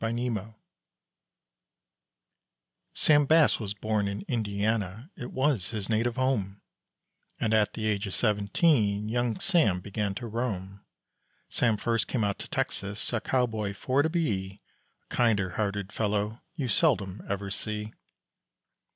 SAM BASS Sam Bass was born in Indiana, it was his native home, And at the age of seventeen young Sam began to roam. Sam first came out to Texas a cowboy for to be, A kinder hearted fellow you seldom ever see.